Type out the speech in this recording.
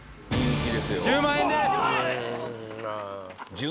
１０万円です